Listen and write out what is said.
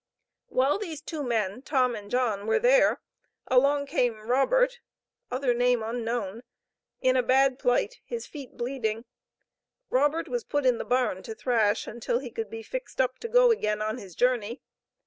While these two large men, Tom and John, were there, along came Robert (other name unknown), in a bad plight, his feet bleeding. Robert was put in the barn to thrash, until he could be fixed up to go again on his journey.